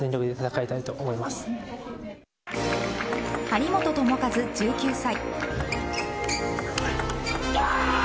張本智和１９歳。